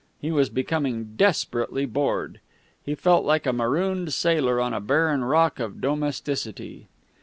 He was becoming desperately bored. He felt like a marooned sailor on a barren rock of domesticity.